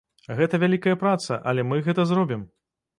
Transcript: Гэта вялікая праца, але мы гэта зробім.